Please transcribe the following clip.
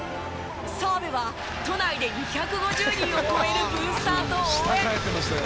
澤部は都内で２５０人を超えるブースターと応援。